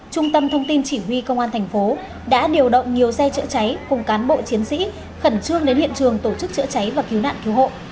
trung tâm thông tin chỉ huy công an thành phố đã điều động nhiều xe chữa cháy cùng cán bộ chiến sĩ khẩn trương đến hiện trường tổ chức chữa cháy và cứu nạn cứu hộ